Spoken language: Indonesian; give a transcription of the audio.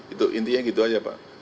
itu intinya gitu aja pak